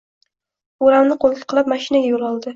O’ramni qo‘ltiqlab, mashinaga yo‘l oldi.